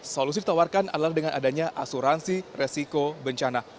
solusi ditawarkan adalah dengan adanya asuransi resiko bencana